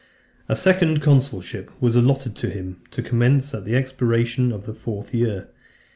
A second consulship was also allotted him, to commence at the expiration of the fourth year.